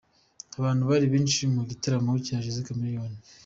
Abantu bari benshi mu gitaramo cya Jose Chameleone.